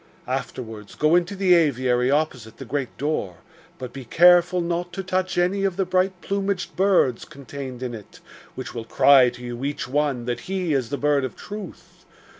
Afterwards, go into the aviary opposite the great door, but be careful not to touch any of the bright plumaged birds contained in it, which will cry to you, each one, that he is the Bird of Truth.